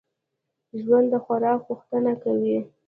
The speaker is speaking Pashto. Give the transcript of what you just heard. ژوندي د خوراک پوښتنه کوي